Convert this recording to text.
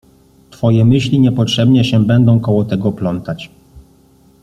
Twoje myśli niepotrzebnie się będą koło tego plątać.